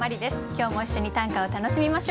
今日も一緒に短歌を楽しみましょう。